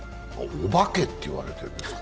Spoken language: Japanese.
お化けって言われているんですよ。